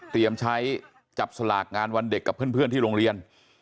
ใช้จับสลากงานวันเด็กกับเพื่อนที่โรงเรียน